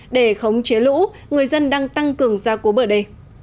để khống chế lũ người dân đang tăng cường gia cố bờ đê